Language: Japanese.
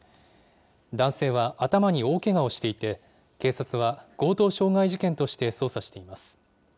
男性は頭に大けがをしていて、警察は強盗傷害事件として捜査しています。